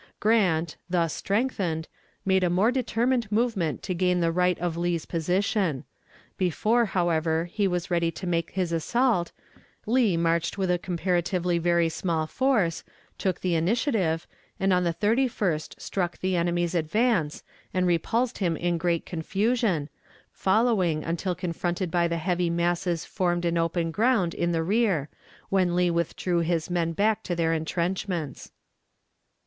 Grant, thus strengthened, made a more determined movement to gain the right of Lee's position; before, however, he was ready to make his assault, Lee marched with a comparatively very small force, took the initiative, and on the 31st struck the enemy's advance, and repulsed him in great confusion, following until confronted by the heavy masses formed in open ground in the rear, when Lee withdrew his men back to their intrenchments.